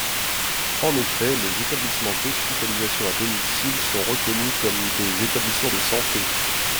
En effet, les établissements d’hospitalisation à domicile sont reconnus comme des établissements de santé.